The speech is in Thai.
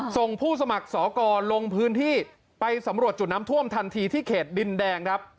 ส่งผู้สมัครสอกรลงพื้นที่ไปสำรวจจุดน้ำท่วมทันทีที่เขตดินแดงครับ